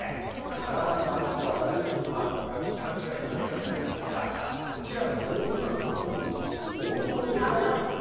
体のありとあらゆるパーツが規格外のでかさだからさうちらの脳みそなんかもう相当でかいんじゃ。